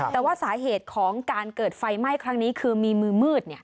แต่ว่าสาเหตุของการเกิดไฟไหม้ครั้งนี้คือมีมือมืด